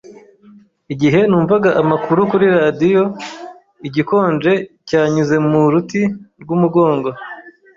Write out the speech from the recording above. Igihe numvaga amakuru kuri radiyo, igikonje cyanyuze mu ruti rw'umugongo.